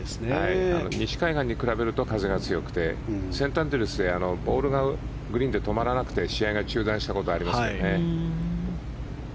西海岸に比べると風が強くてセントアンドリュースでボールがグリーンで止まらなくて試合が中断したことありますけどね。